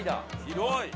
広い！